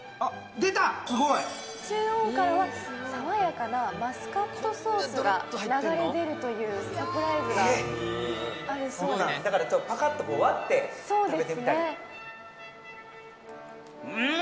出たすごい中央からは爽やかなマスカットソースが流れ出るというサプライズがあるそうですだからパカッと割って食べてみたりうん！